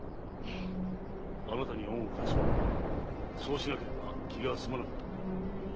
あなたに恩を返すにはそうしなければ気が済まなかったんだろう。